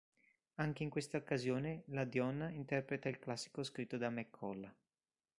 Anche in questa occasione la Dion interpreta il classico scritto da MacColl.